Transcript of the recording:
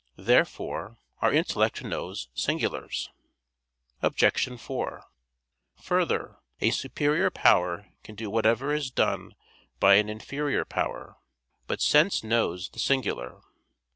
Therefore our intellect knows singulars. Obj. 4: Further, a superior power can do whatever is done by an inferior power. But sense knows the singular.